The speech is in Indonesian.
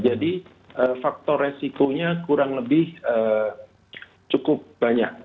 jadi faktor resikonya kurang lebih cukup banyak